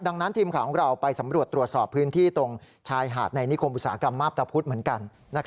ดังนั้นทีมข่าวของเราไปสำรวจตรวจสอบพื้นที่ตรงชายหาดในนิคมอุตสาหกรรมมาพตะพุธเหมือนกัน